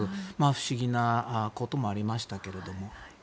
不思議なこともありましたけども。